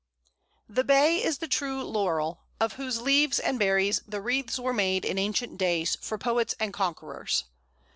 The Bay is the true Laurel, of whose leaves and berries the wreaths were made in ancient days for poets and conquerors.